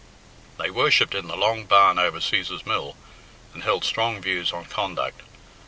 They worshipped in the long barn over Cæsar's mill, and held strong views on conduct.